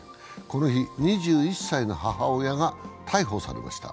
この日、２１歳の母親が逮捕されました。